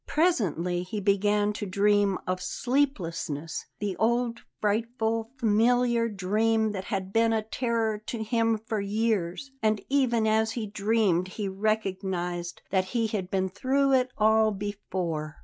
Presently he began to dream of sleeplessness; the old, frightful, familiar dream that had been a terror to him for years. And even as he dreamed he recognized that he had been through it all before.